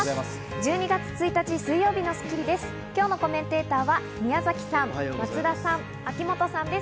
１２月１日、水曜日の『スッキリ』です。